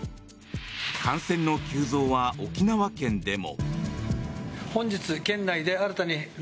感染の急増は沖縄県でも。